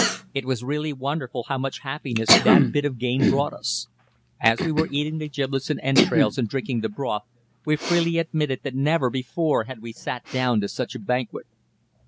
It was really wonderful how much happiness that bit of game brought us. As we were eating the giblets and entrails and drinking the broth, we freely admitted that never before had we sat down to such a banquet.